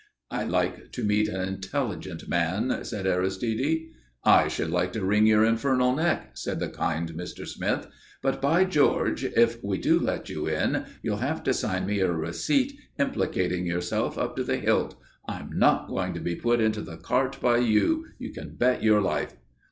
"I like to meet an intelligent man," said Aristide. "I should like to wring your infernal neck," said the kind Mr. Smith. "But, by George, if we do let you in you'll have to sign me a receipt implicating yourself up to the hilt. I'm not going to be put into the cart by you, you can bet your life."